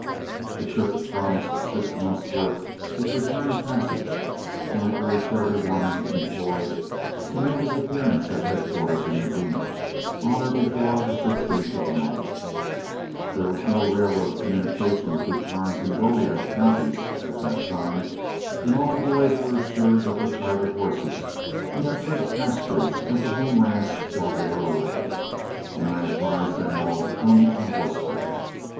The trip promised six months' work with return passage, and I urged every one employed to make his appearance at headquarters, in Medina, on or before the 15th of the month. There was no railroad communication through Karnes and Goliad counties at that time, and all the boys were assured that their private horses would have good pasturage at the home ranch while they were away, and I advised them all to come on horseback.